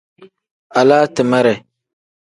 Alaa timere.